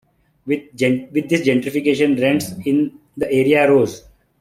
With this gentrification, rents in the area rose.